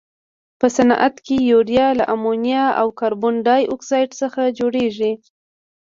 په صنعت کې یوریا له امونیا او کاربن ډای اکسایډ څخه جوړیږي.